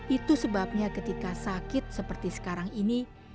itu sebabnya ketika sakit seperti sekarang ini